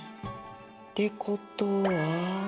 ってことは。